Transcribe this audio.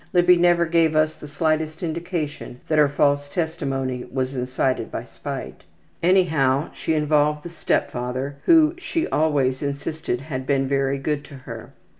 Libby never gave us the slightest indication that her false testimony was incited by spite. Anyhow, she involved the step father, who she always insisted had been very good to her.